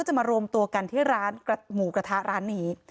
จะมารวมตัวกันที่ร้านหมูกระทะร้านนี้